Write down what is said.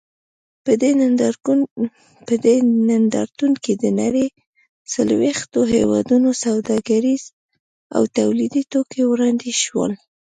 په دې نندارتون کې د نړۍ څلوېښتو هېوادونو سوداګریز او تولیدي توکي وړاندې شول.